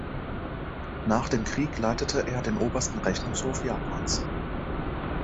Nach dem Krieg leitete er den Obersten Rechnungshof Japans.